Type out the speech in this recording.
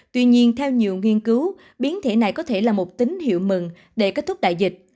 tuy nhiên theo nhiều nghiên cứu biến thể này có thể là một tín hiệu mừng để kết thúc đại dịch